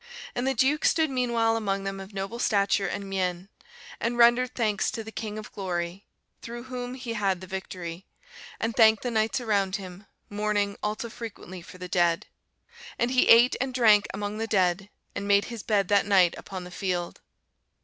And the Duke stood meanwhile among them of noble stature and mien; and rendered thanks to the King of Glory, through whom he had the victory; and thanked the knights around him, mourning also frequently for the dead. And he ate and drank among the dead, and made his bed that night upon the field.